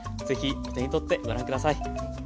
ぜひお手にとってご覧下さい。